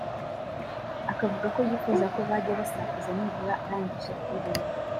akavuga ko yifuza ko bajya basakuza nibura arangije kuririmba